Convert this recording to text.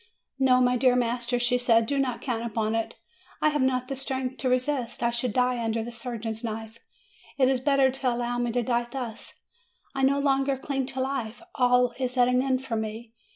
"No, my dear master," she said; "do not count upon it ; I have not the strength to resist ; I should die under the surgeon's knife. It is better to allow me to die thus. I no longer cling to life. All is at an end for me.